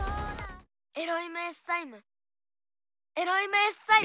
エロイムエッサイム。